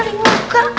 tinggal ini buka